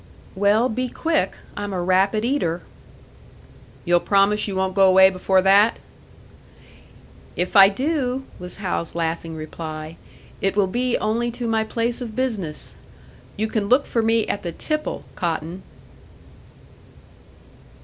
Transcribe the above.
"Well, be quick. I'm a rapid eater." "You'll promise you won't go away before that?" "If I do," was Hal's laughing reply, "it will be only to my place of business. You can look for me at the tipple, Cotton!"